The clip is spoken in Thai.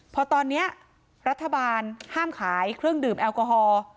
พอตอนนี้รัฐบาลห้ามขายเครื่องดื่มแอลกอฮอล์